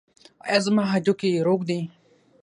ایا زما هډوکي روغ دي؟